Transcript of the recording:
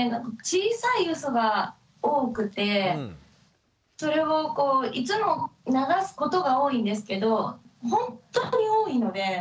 小さいうそが多くてそれをこういつも流すことが多いんですけど本当に多いので。